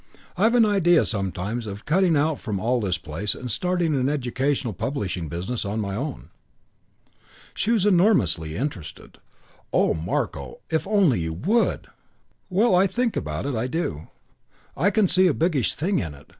I've an idea sometimes of cutting out from all this place and starting an educational publishing business on my own." She was enormously interested. "Oh, Marko, if only you would!" "Well, I think about it. I do. I can see a biggish thing in it.